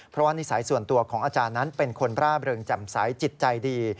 เพราะว่านิสัยส่วนตัวของอาจารย์นั้นเป็นคนร่าเริงแจ่มใสจิตใจดี